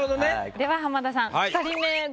では浜田さん２人目。